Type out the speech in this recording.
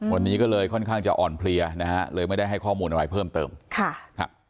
วันนี้ก็เลยค่อนข้างจะอ่อนเพลียนะฮะเลยไม่ได้ให้ข้อมูลอะไรเพิ่มเติมค่ะครับ